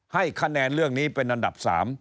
ให้คะแนนเรื่องนี้เป็นอันดับ๓